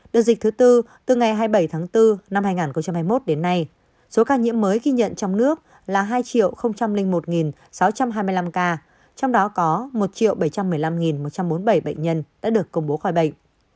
đợt dịch thứ tư từ ngày hai mươi bảy tháng bốn năm hai nghìn hai mươi một đến nay số ca nhiễm mới ghi nhận trong nước là hai một sáu trăm hai mươi năm ca trong đó có một bảy trăm một mươi năm một trăm bốn mươi bảy bệnh nhân đã được công bố khỏi bệnh